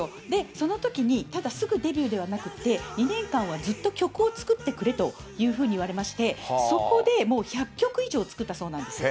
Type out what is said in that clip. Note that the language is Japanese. そのときにただ、すぐデビューではなくて、２年間はずっと曲を作ってくれというふうにいわれまして、そこでもう１００曲以上作ったそうなんです。